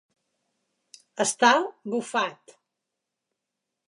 Està bufat.